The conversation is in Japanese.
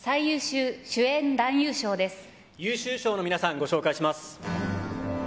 優秀賞の皆さん、ご紹介します。